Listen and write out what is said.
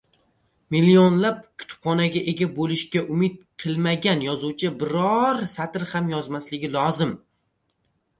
Millionlab kitobxonga ega bo‘lishga umid qilmagan yozuvchi biron satr ham yozmasligi lozim.